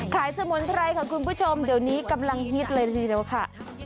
ขายสมุนไทรขอคุณผู้ชมเดี๋ยวนี้กำลังฮีดเลยเร็วค่ะ